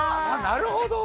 なるほど！